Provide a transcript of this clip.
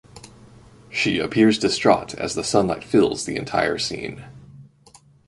She appears distraught as the sunlight fills the entire scene.